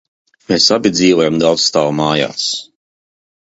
Mēs abi dzīvojām daudzstāvu mājās.